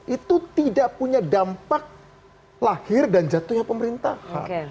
itu tidak punya dampak lahir dan jatuhnya pemerintahan